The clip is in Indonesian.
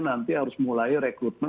nanti harus mulai rekrutmen